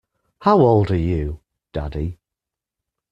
How old are you, daddy.